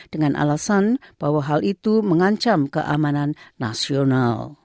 dengan alasan bahwa hal itu mengancam keamanan nasional